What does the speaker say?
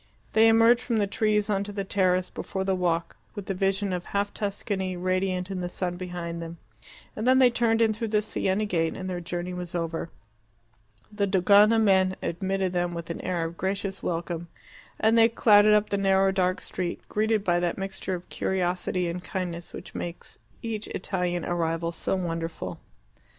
They emerged from the trees on to the terrace before the walk, with the vision of half Tuscany radiant in the sun behind them, and then they turned in through the Siena gate, and their journey was over. The Dogana men admitted them with an air of gracious welcome, and they clattered up the narrow dark street, greeted by that mixture of curiosity and kindness which makes each Italian arrival so wonderful.